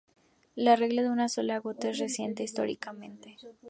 La regla de una sola gota es reciente históricamente.